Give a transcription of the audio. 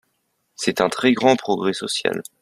C’est un très grand progrès social.